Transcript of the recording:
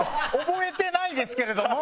覚えてないですけれども。